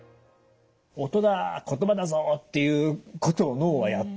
音だ言葉だぞということを脳はやっている。